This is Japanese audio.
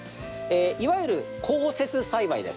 いわゆる高設栽培です。